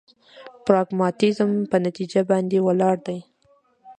پراګماتيزم په نتيجه باندې ولاړ دی.